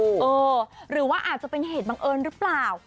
หรือว่าอาจจะเป็นเหตุบังเอิญหรือเปล่า